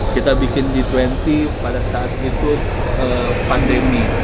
kita bikin g dua puluh pada saat itu pandemi